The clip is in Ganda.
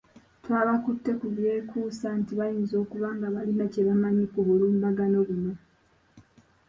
Twabakutte ku byekuusa nti bayinza okuba nga balina kye bamanyi ku bulumbaganyi buno.